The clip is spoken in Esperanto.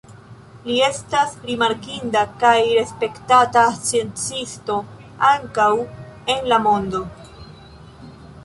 Li estas rimarkinda kaj respektata sciencisto ankaŭ en la mondo.